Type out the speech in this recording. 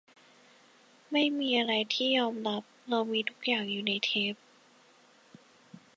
ไม่มีอะไรที่จะยอมรับ เรามีทุกอย่างอยู่ในเทป